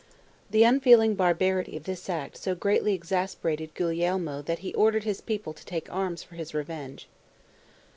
The unfeeling barbarity of this act so greatly exasperated Gulielmo that he ordered his people to take arms for his revenge.